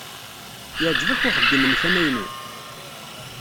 Yeɛjeb-ak uxeddim-nnek amaynu?